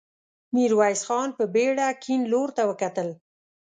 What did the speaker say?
ميرويس خان په بېړه کيڼ لور ته وکتل.